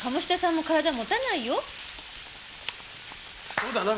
そうだな。